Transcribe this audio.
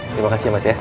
terima kasih mas ya